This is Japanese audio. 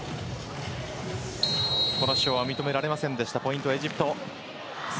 この主張は認められませんでしたポイント、エジプトです。